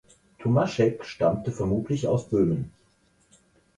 Tomaschek stammte vermutlich aus Böhmen.